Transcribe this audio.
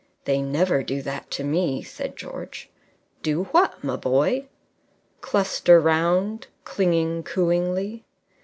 "They never do that to me," said George. "Do what, my boy?" "Cluster round, clinging cooingly."